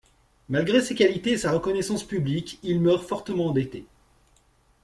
Malgré ses qualités et sa reconnaissance publique, il meurt fortement endetté.